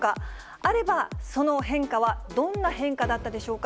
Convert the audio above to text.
あれば、その変化はどんな変化だったでしょうか。